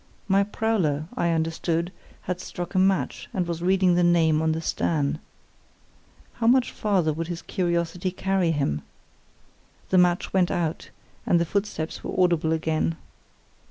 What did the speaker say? My prowler, I understood, had struck a match and was reading the name on the stern. How much farther would his curiosity carry him? The match went out, and footsteps were audible again.